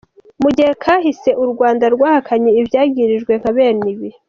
Mu gihe cahise, u Rwanda rwahakanye ivyagiriji nka bene ibi.